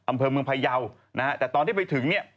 อำเภอเมืองพยาวนะฮะแต่ตอนที่ไปถึงเนี่ย